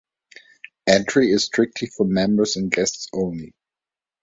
Entry is strictly for members and guests only.